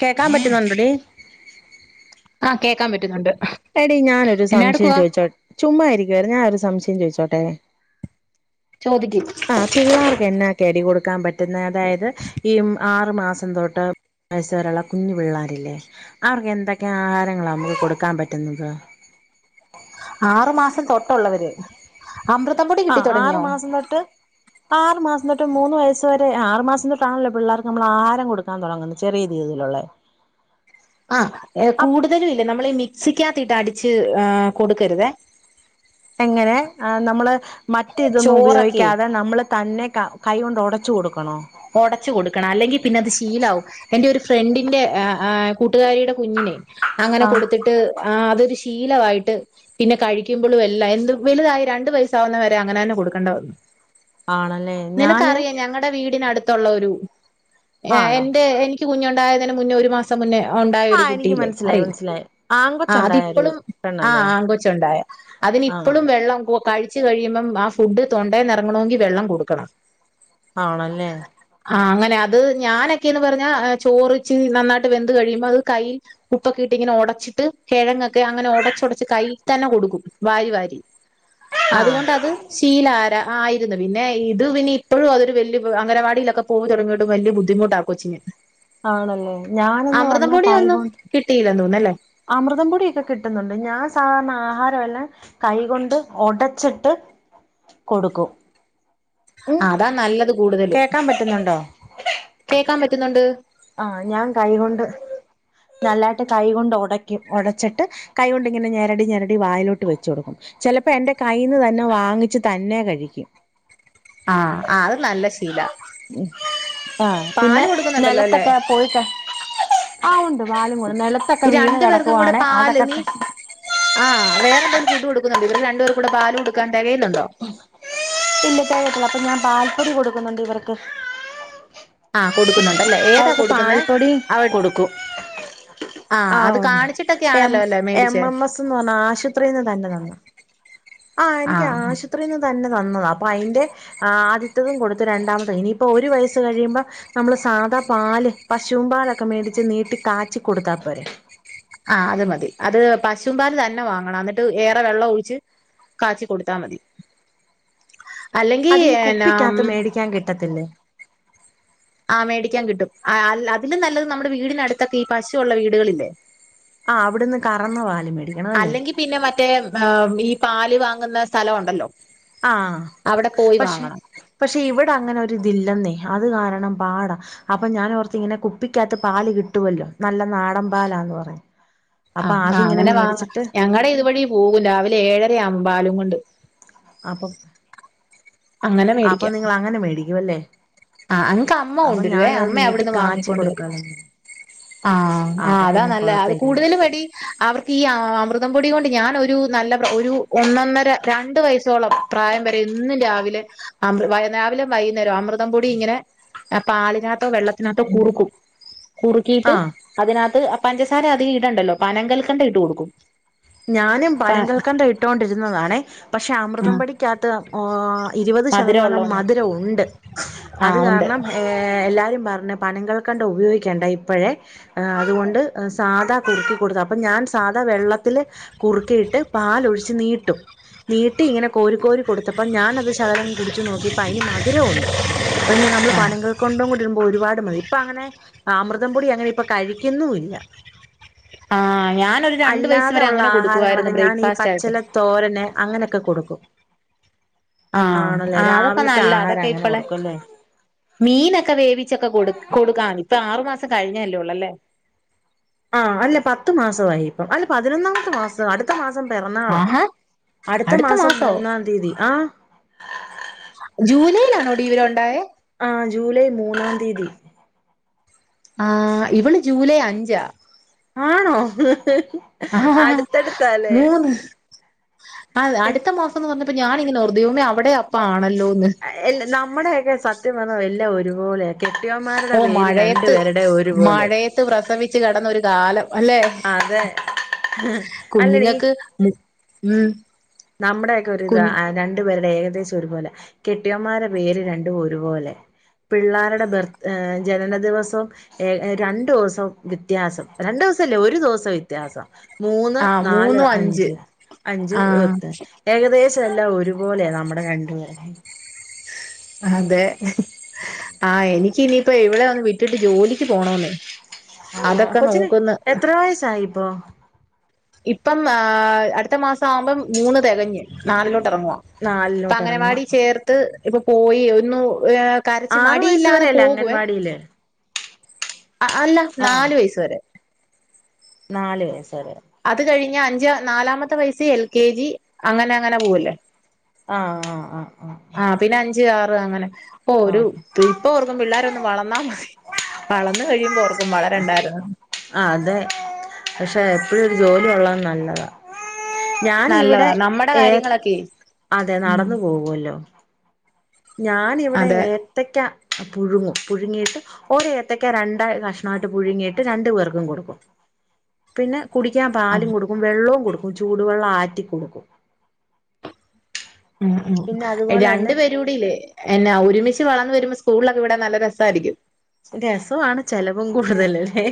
കേക്കാം പറ്റുന്നുണ്ടോടി? ആഹ് കേക്കാൻ പറ്റുന്നുണ്ട്. എടീ ഞാനൊരു എന്നാ സംശയം എടുക്കുവാ ചോയ്ച്ചോ ചുമ്മാ ഇരിക്കുവ ഞാഒരു സംശയം ചോയ്ച്ചോട്ടെ? ചോദിക്കി. പിള്ളാർക്ക് എന്നാക്കെടി കൊടുക്കാ പറ്റുന്നെ അതായത് ഈ ആറ് മാസം തൊട്ട്. വയസേരെള്ള കുഞ്ഞു പിള്ളേരില്ലേ അവർക്കെന്തൊക്ക്യാ ആഹാരങ്ങളാ മക്ക് കൊടുക്കാൻ പറ്റുന്നത്. ആറു മാസം തൊട്ടുള്ളവര് അമൃതംപൊടി കിട്ടി തുടങ്യോ? ന്നട്ട്. ആറ് മാസം തൊട്ട് മൂന്ന് വയസ് വരെ ആഹ് ആറ് മാസം തെട്ടാണല്ലോ പിള്ളർക്ക് നമ്മൾ ആഹാരം കൊടു ൻ തുടങ്ങുന്നത് ചെറിയ രീതിയിലുള്ളേ. ആഹ് എ അപ് കൂടുതലും ഇല്ലെ നമ്മളീ മിക്സിക്കകത്തീട്ട് അടിച്ച് ആഹ് കൊട്ക്കരുതേ. എങ്ങനെ ആഹ് നമ്മള് മറ്റെ ഇതൊന്നും ചോറൊക്കെ ഉപയോഗിക്കാതെ നമ്മള് തന്നെ. കൈ കൊണ്ട് ഉടച്ച് കൊടുക്കണോ? ഉടച്ചു കൊടുക്കണം അല്ലെങ്കിൽ പിന്നെ അത് ശീലാവും. എന്റെ ഒരു ഫ്രണ്ടിന്റെ് അഹ് കൂട്ടുകാരിയുടെ കുഞ്ഞിന് അങ്ങനെ ആ കൊട്ത്തിട്ട്. ട്ട് ആഹ് അതൊരു ശീലമായിട്ട്. പിന്നെ കഴിക്കുമ്പോളും എല്ലാം എന്ത് വലുതായി രണ്ടു വൈസാവുന്നവരെ അങ്ങനെ തന്നെ കൊടുക്കേണ്ട വന്നു. ആണല്ലേ ഞാന് നിനക്കറിയാം ഞങ്ങളടെ വീടിനടുത്തുള്ള ഒരു ആണോ എന്റെ എനിക്ക്. കുഞ്ഞുണ്ടായതിന് മുന്നേ ഒരു മാസം മുന്നേ ഉണ്ടായ ഒരു ആഹ് എനിക്ക് കുട്ടിയില്ലേ മനസ്സിലായി അറിയില്ലേ. മനസ്സിലായി ആഹ് ആങ്കൊച്ചുണ്ടായ ഒരു അതിപ്പോളും ആഹ് പെണ്ണല്ലേ ആങ്കൊച്ച് ഉണ്ടായ അതിനി ആഹ് ഇപ്പളും വെള്ളം ക ച്ച് കഴിയുമ്പം ആഹ് ഫുഡ് തൊണ്ടേന്ന് ഇറങ്ങണോങ്കി വെള്ളം കൊടുക്കണം. ആണല്ലേ. ആഹ് അങ്ങനെ അത് ഞാനൊക്കെയന്ന് പറഞ്ഞാ ചോറിച്ച് നന്നായിട്ട് വെന്ത് കഴിയുമ്പോ അത് ക ഉപ്പ് ഒക്കെ ഇട്ട് ഇങ്ങനെ ഉടച്ചിട്ട്, കിഴങ്ങ് ഒക്കെ അങ്ങനെ ഒടച്ചൊടച്ച് കയ്യിൽ തന്നെ കൊടുക്കും വാരി വാരി. [inaudible] ആഹ് അതുകൊണ്ടത് ശീലാര ആയിരുന്നു പിന്നെ ഇത് പിന്നെ ഇപ്പോഴും അതൊരു വലിയ അംഗനവാടി ക്ക പോവ തുടങ്ങിട്ട് വലിയ ബുദ്ധിമുട്ടാ കൊച്ചിന്. ആണല്ലേ ഞാനന്ന് പറഞ്ഞാ കൈകൊണ്ട്. കിട്ടിയില്ലാ തോന്ന് അല്ലേ. അമൃതം പൊടിയൊക്കെ കിട്ടുന്നുണ്ട് ഞാൻ സാധാരണ ആഹാരമെല്ലാം. കൈകൊണ്ട് ഒടച്ചിട്ട് കൊടുക്കും. ഉം അതാ നല്ലത് കൂടുതലും കേക്കാൻ പറ്റുന്നുണ്ടോ കേക്കാൻ പറ്റുന്നുണ്ട്. ആഹ് ഞാൻ കൈകൊണ്ട് നല്ലായിട്ട് കൈ കൊണ്ട് ഒടക്കും ഒടച്ചിട്ട്. കൈ കൊണ്ടിങ്ങനെ ഞരടി ഞരടി വായലോട്ട് വെച്ച് കൊടുക്കും. ചെലപ്പോ എന്റെ കയ്യീന്ന് തന്നെ വാങ്ങിച്ച് തന്നെ കഴിക്കും. ആഹ് ആഹ് അത് നല്ല ശീല പിന്നെ പാല് കൊടുക്കുന്നുണ്ടല്ലോ അല്ലെ? നിലത്തൊക്കെ പോയിട്ട ആഹ് ഉണ്ട് പാല് [unintelligible] നിലത്തൊക്കെ ഈ വീണ് രണ്ടു കിടക്കുവാണ അതൊക്കെ. ആഹ് വേറെ എന്തെങ്കിലും ഫുഡ് കൊടുുന്നുണ്ടോ ഇവര് രണ്ട് പേർ കൂടെ പാല് കൊടുക്കൻ തികയുന്നുണ്ടോ? ഇല്ല [unintelligible] അപ്പോ ഞാൻ പാൽപ്പൊടി കൊടുക്കുന്നുണ്ട് ഇവർക്ക്. ആ കൊടുക്കുന്നുണ്ടല്ലേ ഏതാ അവർക്ക് കൊടുക്കുന്നേ പാൽപ്പൊടി അവ കൊടുക്കും. ആ അത് ആഹ് ഉണ്ട് കാണിച്ചിട്ടൊക്കെ എം ആണല്ലോ അല്ലേ എം മേടിച്ചേ എം എസ്ന്ന് പറഞ്ഞാ ആശുത്രീന്ന് തന്നെ തന്ന. ആഹ് ആ എനിക്ക് ആശുത്രീന്ന് തന്നെ തന്നതാ അപ്പോ അയിന്റെ. ആ ആദ്യത്തതും കൊടുത്ത് രണ്ടാമത് ഇനിയിപ്പൊ ഒരു വയസ്സ് കഴിയുമ്പൊ നമ്മള് സാധാ പാല് പശുവും പാലൊക്കെ മേടിച്ച് നീട്ടി കാച്ചി കൊടുത്താൽ പോരെ ആ അത് മതി അത് പശുവും പാൽ തന്നെ വാങ്ങണം എന്നിട്ട് ഏറെ വെള്ളം ഒഴിച്ച് കാച്ചി കൊടുത്താ മതി അല്ലെങ്കിൽ അത് ഈ ന കുപ്പിക്കകത്ത് മേടിക്കാൻ കിട്ടത്തില്ലേ ആ മേിക്കാൻ കിട്ടും അതിലും നല്ലത് നമ്മുടെ വീടിനടുത്തൊക്കെ ഈ പശുള്ള വീടുകളില്ലേ ആഹ് അവിടുന്ന് കറന്ന പാ ല് മേടിക്കണം അല്ലേ അല്ലെങ്കിൽ പിന്നെ മറ്റേ ഈ പാല് വാങ്ങുന്ന സ്ഥലം ഉണ്ടല്ലോ ആഹ അവിടെ പോയി വാങ്ങണം പക്ഷെ പക്ഷെ ഇവിടെ അങ്ങനെ ഒരു ഇതില്ലെന്നേ അത് കാരണം പാടാ അപ്പൊ ഞാൻ ഓർത്ത് ഇങ്ങനെ കുപ്പിക്കാത്ത് പാല് കിട്ടുവല്ലോ നല്ല നാടൻ പാലാന്ന് പറയും ആഹ് ആ അങ്ങനെ വാങ്ങ ഞങ്ങടെ ഇതുവഴി പോകും രാവിലെ ഏഴര ആകും പാലും കൊണ്ട് അപ്പൊ അങ്ങനെ അപ്പൊ നിങ്ങളങ്ങനെ മേടിക്കുവല്ലേ ആ് അങ്ങക്ക് അമ്മ അപ്പൊ കൊണ്ടുവരുവേ ഞാനത് അമ്മ നീട്ടി അവിടെന്ന് കാച്ചി വാങ്ങികൊണ്ട് വരും കൊടുക്കാലോന്ന് ആഹ ആ ആ് അപ്പൊ അതാ പിന്നെ നല്ല കൊഴപ്പ അത് ഇല്ലല്ലേ കൂടുതൽ പടി അവർക്ക് ഈ അമൃതം പൊടി കൊണ്ട് ഞാനൊരു ഒരു നല്ല ഒരു ഒന്നൊന്നര രണ്ട് വയസ്സ് സ്സോളം പ്രായം വരെ എന്നും രാവിലെ അ രാവിലെ വൈകുന്നേരം അമൃ തം പൊടി ഇങ്ങനെ പാലിനകത്തോ വെള്ളത്തിനകത്തോ കുറുക്കും കുറുക്കീട്ട് ആഹ് അതിനകത്ത് പഞ്ചസാര അധികം ഇടണ്ടല്ലോ പനംങ്കൽക്കണ്ട ഇട്ട് കൊടുക്കും ഞാനും പ പനം കൾക്കണ്ട് ഇട്ടോ ണ്ടിരുന്നതാണെ പക്ഷെ അമൃതം പൊടിക്കാത്ത് ഇരുപത് മധുരം ശതമാനം ഉള്ളോണ്ട് മധുരം ഉണ്ട് അത് ആഹ് ഉണ്ട് കാരണം എല്ലാരും പറഞ്ഞ് പനംകൾക്കണ്ട് ഉപയോഗിക്കണ്ട ഇപ്പോഴെ അത്കൊണ്ട് സാദാകുറുക്കി കൊടുത്ത അപ്പൊ ഞാൻ സാദാ വെള്ള ത്തിൽകുറുക്കിയിട്ട് പാലൊഴിച്ച് നീട്ടും നീട്ടി ഇങ്ങനെ കോരി കോരി കൊടുത്തപ്പ ഞാനത് ശകലം കുടിച്ചു നോക്കിപ്പ അതിന് മധുരം ഉണ്ട് പിന്നെ നമ്മള് പനങ്കൾ കൊണ്ടും കൂടി ഇടുമ്പോൾ ഒരുപട് മതി ഇപ്പൊ അങ്ങനെ അമൃതം പൊടി അങ്ങനെ ഇപ്പൊ കഴിക്കുന്നുല്ല ആ് ഞാനൊരു രണ്ട് വയസ്സ് അല്ലാതെ വരെ ഉള്ള അങ്ങനെ കൊടുക്കുവായിരുന്നു ആഹാരങ്ങളൊക്കെ ഞാൻ ഈ ബ്രേക്ക്ഫാസ്റ്റ് ആയിട്ട് പച്ചില തോരന് അങ്ങനെയൊക്കെ കൊടുക്കും ആഹ ആണല്ലേ ആ അതൊക്കെ രാവിലത്തെ നല്ല ആഹാരം അതൊക്കെ അങ്ങനെ ഇപ്പളെ കൊടുക്കുംല്ലേ മീനൊക്കെ വേവിച്ചൊക്കെ കൊടു കൊടുക്കാന്ന് ഇപ്പൊ ആറുമാസം കഴിഞ്ഞല്ലേ ഉള്ളൂ അല്ലേ ആ അല്ല പത്ത് മാസമായി ഇപ്പം അല്ല പതിനൊന്നാമത്തെ മാസം അടുത്ത അടുത്ത മാസം പിറന്നാളാ ആഹാ അടുത്ത മാസം മൂന്നാം തീയതി ആ ജൂലൈയിലാണോ ടി ഇവരു ണ്ടായെ ആ ജൂലൈ മൂന്നാം തീയതി ആ് ഇവള് ജൂലൈ അഞ്ചാ ആണോ ആഹ അടുത്തടുത്താല്ലേ മൂന്ന് ആ അടുത്തമാസംന്ന് പറഞ്ഞപ്പൊ ഞാാനിങ്ങനെ വോർത്തു ദൈവമേ അവിടെ അപ്പ ആണല്ലോന്ന് ല്ല നമ്മുടെയൊക്കെ സത്യം പറഞ്ഞ എല്ലാ ഒരുപോലെ കെട്ടിയോന്മാരുടെ ഓ പേര് രണ്ടു മഴയത്ത് പേരുടേം ഒരുപോലെ മഴയത്ത് പ്രസവിച്ച് കിടന്നൊരു കാലം അല്ലെ അതെ അല്ലടീ മ ഉം നമ്മുടെ ഒക്കെ ഒരു കുഞ് ഇതാരണ്ടു പേരുടെ ഏകദേശം ഒരുപോലെയാ കെട്ടിയോൻമ്മാരെ പേര് രണ്ടും ഒരുപോലെ പിള്ളേരുടെ ബർത്ത് ജനനദിവസം ഏ രണ്ടു ദിവസം വ്യത്യാസം രണ്ടു ദിവസംല്ല ഒരു ദിവസം വ്യത്യാസം മൂന്ന് ആഹ് നാല് മൂന്നും അഞ്ച് അഞ്ച് ആഹ് ഏകദേശം എല്ലാം ഒരുപോലെയാ നമ്മുടെ രണ്ടുപേരുടെയും അതെ ആ എനിക്ക് ഇനിയിപ്പൊ ഇ വളെ ഒന്ന് വിട്ടിട്ട് ജോലിക്ക് പോണോ ന്നെ ആ കൊച്ചിന് എത്ര വായസായി ഇപ്പ ഇപ്പം അടുത്ത മാസം ആവുമ്പം മൂന്ന് തികഞ്ഞ് നാലിലോട്ട് ഇറങ്ങുവാ അപ്പ നാലിലോട്ട് ഇറങ്ങുവ അങ്ങനവാടി ചേർത്ത് ഇപ്പൊ പോയി ഒന്നു ഏ കരച്ച് ആറു വയസ്സ് മടിയില്ലാതെ വരെയല്ലേ പോകുവേ അംഗൻവാടിയില് അല്ല ആ നാലു വയസ വരെ നാല് വയസ്സ വരെ അത് കഴിഞ്ഞ അഞ്ച നാലാമത്തെ വയസ് എൽ കെ ജി അങ്ങനെ അങ്ങനെ പോകല്ലേ ആഹ് ആഹ് ആഹ് ആ ആഹ് പിന്നെ അഞ്ച് ആറ് അങ്ങനെ ഓ ഒരു ആ ഇപ്പൊ ഓർക്കും പിള്ളോര ഒന്ന് വളർന്നാ മതി വളർന്നു കഴിയുമ്പോ ഓർക്കും വളരണ്ടായിരുന്നു ആ അതെ പക്ഷെ എപ്പോഴൊ ഒരു ജോലി കൊള്ളാൻ നല്ലതാ ഞൻ ഇവിടെ നല്ലതാ നമ്മടെ ഏ കാര്യങ്ങളൊക്കെ അതെ ഉം നടന്നു പോകുമല്ലോ ഞാന ഇവിടെ അതെ ഏത്തക്ക പുഴുങ്ങും പുഴുങ്ങിയിട്ട് ഓ ഏത്തയ്ക്ക രണ്ടായി കഷ്ണമായിട്ട് പുഴുങ്ങിയിട്ട് രണ്ടു പേർക്കും കൊടുക്കും പിന്നെ കുടിക്കാൻ ആഹ്. പാലും കൊടുക്കും വെള്ളവും കൊടുക്കും ചൂടുവെള്ളം ആറ്റി കൊടുക്കും ഉം ഉ പിന്നെ അതുപോലെ രണ്ട തന്നെ പേര് എന്നാ ഒരുമിച്ച് വളന്നന്ന് വരുമ്പോ സ്കൂളിലൊക്കെ വിടാൻ നല്ല രസമായിരിക്കും രസമാണ് ചെലവും കൂടുതലല്ലേ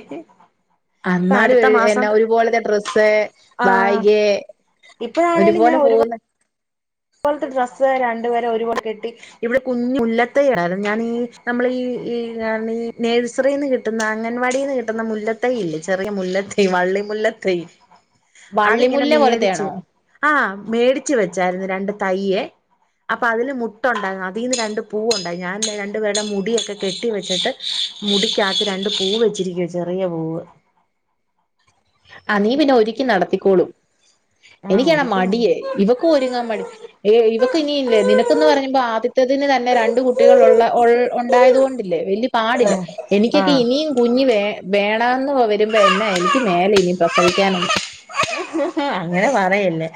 ഇപ്പൊ അന്നാലും അടുത്ത മാസം എന്നാ ഒരുപോലത്തെ ഡ്രെസ്സ് ആ ബായിക് ഇപ്പഴാണേലും ഞാൻ ഒരുപാട് അതുപോലത്തെ ഡ്രസ്സ് രണ്ടുപേരെ ഒരുപോലെ കെട്ടി ഇവിടെ കുഞ്ഞ്മുല്ലത്ത് എരഞ്ഞാണീ നമ്മള് ഈ ഈഈ നേഴ്സറിന്ന് കിട്ട കിട്ടുന്ന അംഗൻവാടിന്ന് കിട്ടുന്ന മുല്ലത്തൈ ഇല്ലേചെറിയ മുല്ലതയ്യ് വള്ളി മുല്ലത്തെയ് അതിങ്ങനെ വള്ളിമുല്ല മേടിച്ച് പോലത്തെയാണോ ആഹ് മേടിച്ചു വെച്ചായിരുന്നു രണ്ട് തയ്യ് അപ്പൊ അതില് മുട്ടുണ്ടായിന്നു അതിന്ന് രണ്ട് പൂവ് ഉണ്ടായി ഞാൻ രണ്ടു പേരുടെ മുടിയൊക്കെ കെട്ടി വെച്ചിട്ട് മുടിക്ക് അകത്ത് രണ്ട് പൂവ് വെച്ചിരിക്കുവ ചെറിയ പൂവ് ആഹ് നീ പിന്നെ ഒക്കി നടത്തിക്കോളും ആ എനിക്കാണ് മടിയെ ഒരിക്കുന്നു ഇവക്കും ഒരുങ്ങാൻ മടി ഏ ഇവക്ക് ഇനിയില്ലേ നിനക്ക്ന്ന് പറയുമ്പോ ആദ്യത്തെതിന് തന്നെ രണ്ട് കുട്ടികൾ ഉള്ള ഉണ്ടായതുകൊണ്ടില്ലേ വലിയ പാടില്ല ആഹ് എനിക്കൊക്കെ ഇനിയും കുഞ്ഞ് വേ വേണന്ന് വരുമ്പോ എന്ന എനിക്ക് മേലെ ഇനി പ്രസവിക്കാൻ ഒന്നും അങ്ങനെ പറയല്ലേ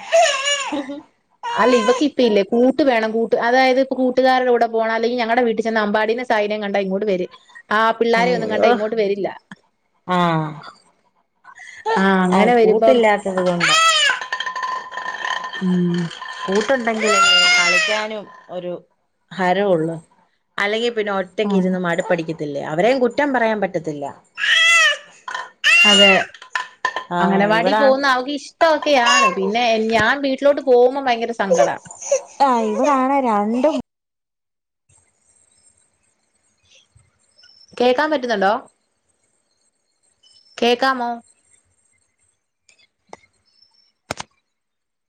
അല്ല ഇവക്ക ഇപ്പ ഇല്ലേ കൂട്ടു വേണം കൂട്ട് അതായത് ഇപ്പോ കൂട്ടുകാരുടെ പോകണം അല്ലെങ്കിൽ ഞങ്ങളുടെ വീട്ടിൽ ചെന്ന അമ്പാടിനെ തൈനം കണ്ട ഇങ്ങോട് വര് ആ പിള്ളാരെ ഒന്നും കണ്ട അയ്യോ ഇങ്ങോട്ട് വരില്ല ആഹ് ആഹ് അങ്ങനെ വരുമ്പം കൂട്ടില്ലാത്തത് കൊണ്ടാ ഉം കൂട്ടുണ്ടെങ്കിൽ കളിക്കാനും ഒരു ഹരം ഉള്ളൂ അല്ലെങ്കിൽ പിന്നെ ഒ ഒറ്റക്ക് ഇരുന്ന് മടുപ്പ് പിടിക്കത്തില്ലേ അവരേയും കുറ്റം പറയാൻ പറ്റത്തില്ല അതെ ആഹ് അങ്ങനവാടി ഇവിടാ പോകുന്ന അവക്ക് ഇ ഇഷ്ട ഒക്കെയാണ് പിന്നെ ഞാൻ വീട്ടിലോട്ട് പോകുമ്പോ ഭയങ്കര സങ്കടമാണ് ആഹ് ഇവടെ ആണ് രണ്ടും കേക്കാൻ പറ്റുന്നുണ്ടോ കേക്കാമോ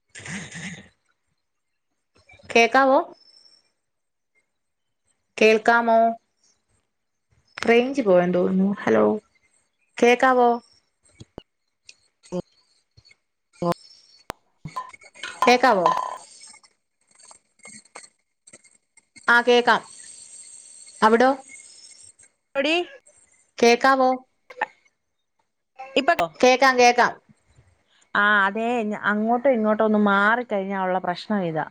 [inaudible] കേക്കാവോ കേൾക്കാമോ റേഞ്ച് പോവാൻ തോന്നുന്നു ഹലോ കേക്കാവോ കേക്കാവോ ആഹ് കേക്കാം അവിടോ അവിടിം കേക്കാവൊ ഇപ്പണ്ടോ കേക്കാം കേക്കാം ആഹ് അതെ അങ്ങോട്ടും ഇങ്ങോട്ടും ഒന്നും മാറിക്കഴിഞ്ഞാ ഉള്ള പ്രശ്നം ഇതാ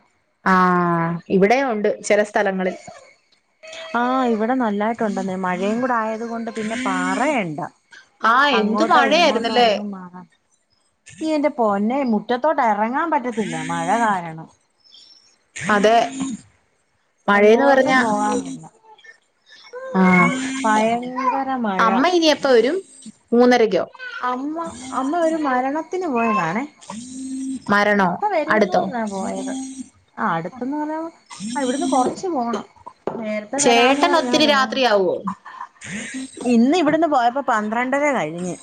ആഹ് ഇവിടെ ഉണ്ട് ചില സ്ഥലങ്ങളിൽ ആഹ് ഇവിടെ നല്ലായിട്ടുണ്ടെന്ന മഴയും കൂടെ ആയ അതുകൊണ്ട് പിന്നെ പാറയണ്ട ആഹ് എന്ത് അങ്ങോട്ടോ ഇങ്ങോട്ടോ മഴയായിരുന്നല്ലേ ഒന്നും മാറ പൊന്നെ മുറ്റത്തോട്ട് ഇറങ്ങാൻ പറ്റത്തില്ല മഴ കാരണം അതെ മഴേന്ന് എങ്ങോട്ടും പറഞ്ഞാ പോവാനില്ല ആഹ് ഭയങ്കര മഴ അമ്മ ഇനി എപ്പ വരും മൂന്നരക്കോ അമ്മ അമ്മ ഒരു മരണത്തിന് പോയതാണേ മരണോ നേരത്തെ അടുത്തോ പോയത് ആഹ് അടുത്തന്ന് പറഞ്ഞാ ഇവിടുന്ന് കുറച്ച് പോണം നേരത്തെ വരാന്ന് ചേട്ടൻ പറഞ്ഞാൻ ഒത്തിരി പോയ രാത്രിയാവോ ഇന്ന് ഇവിടെന്ന് പോയപ്പോ പന്ത്രണ്ടര കഴിഞ്ഞ്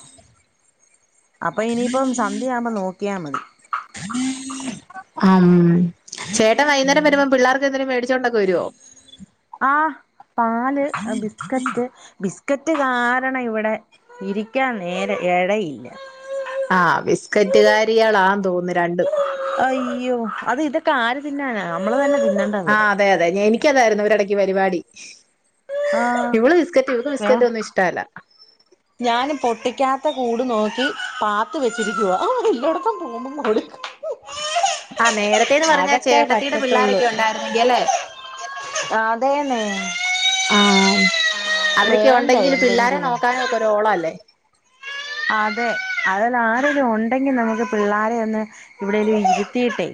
അപ്പൊ ഇനിയിപ്പം സന്ധ്യയാവുമ്പോ നോക്കിയാ മതി ആ ചേട്ടൻ വൈന്നേരം ഉം വരുമ്പോ പിള്ളേർക്ക് എന്തെങ്കിലും മേടച്ച് ചൊണ്ടൊക്കെ വരോ ആ പാല് ബിസ്കറ്റ് ബിസ് ക്കറ്റ് കാരണം ഇവിടെ ഇരിക്കാൻ നേരെ ഇടയില്ല. ആഹ് ബിസ്ക്കറ്റ് കാരികളാ തോന്നുന്നു രണ്ടും അയ്യോ അത് ഇതൊക്കെ ആര് തിന്നാന നമ്മള് തന്നെ തിന്നണം ആഹ്അതെ അതെ എനിക്ക അതിയിരുന്നു ഒരിടക്ക് പരിപാടി ആഹ് ഇവള് ബിസ്ക്കറ്റ് ഇവക്ക് ബിസ്ക്കറ്റ് ഒന്നും ഇഷ്ടല്ല. ഞാനും പൊട്ടിക്കാത്ത കൂട് നോക്കി പാത്ത് വെച്ചിരിക്കുവ എല്ലോടത്തം കൊടുക്ക ആഹ് നേരത്തേന്ന് പറഞ്ഞാ ചേട്ടത്തിടെ പിള്ളോരൊക്കെ ഉണ്ടായിരുന്നെങ്കി അല്ലേ ആ അതെന്നെ ആഹ് അവരൊക്കെ ഉണ്ടെങ്കിലും പിള്ളോരെ എന്തെങ്കിലും നോക്കാനും ഒക്കെ ഒരു ഓളല്ലേ അതെ അതിൽ ആരിലും ഉണ്ടെങ്കിൽ നമുക്ക് പിള്ളേരെയൊന്ന് ഇവിടെലും ഇരുത്തിയിട്ടെ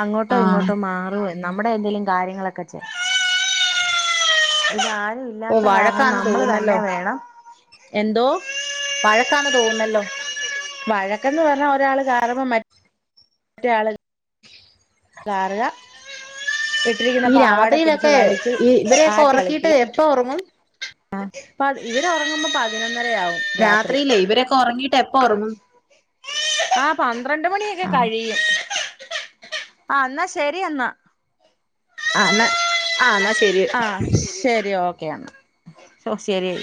അങ്ങോട്ടോ ആഹ് ഇങ്ങോട്ടോ മാറും നമ്മുടെ എന്തെങ്കലും കാര്യങ്ങളൊക്കെ ചെയ ഇത് ആരും ഓ ഇല്ലാത്ത കാരണം വഴക്കാന്ന് നമ്മൾ തോന്നുന്നല്ലോ തന്നെ വേണം എന്തോ വഴക്കാന്ന് തോന്നുന്നല്ലോ വഴക്കന്ന് പറഞ്ഞാ ഒരാൾ കയറുമ്പോ മ മറ്റെള് കാറുക [unintelligible] ഇട്ടിരിക്കുന്ന ഈ പാവാട പിടിച്ച് രാത്രിയിലൊക്കെ വലിച്ച് ഈ ഇവരെയൊക്കെ ആട്ടി ഉറക്കിയിട്ട് കളിക്കുക എപ്പ ഉറങ്ങും ആ പ ഇവര് ഉറങ്ങുമ്പോ പ രാത്രിയില് ഇവരൊക്കെ ഉറങ്ങീട്ട് എപ്പ ഉറങ്ങും ആ പന്ത്രണ്ട് മണിയൊക്കെ ആ കഴിയും ആ എന്നാ ശരി എന്നാ ആന്ന് ആ ശരി ആ ശരി ഓക്കെ എന്നാ ശരി.